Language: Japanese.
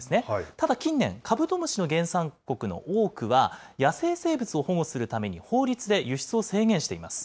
ただ、近年、カブトムシの原産国の多くは、野生生物を保護するために、法律で輸出を制限しています。